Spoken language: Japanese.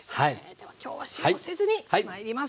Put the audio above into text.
では今日は塩をせずにまいります。